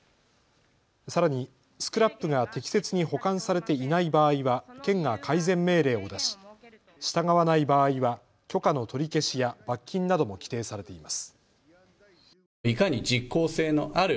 さらにスクラップが適切に保管されていない場合は県が改善命令を出し従わない場合は許可の取り消しや罰金なども規定されています。